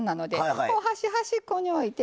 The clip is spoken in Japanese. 箸端っこに置いて。